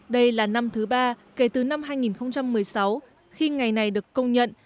đây là năm thứ ba kể từ năm hai nghìn một mươi sáu khi ngày này được công nhận